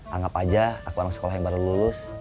anggap aja aku anak sekolah yang baru lulus